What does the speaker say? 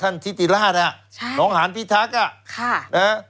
ท่านทิติราชหลองหารพิทักษ์